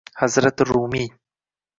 “Hazrati Rumiy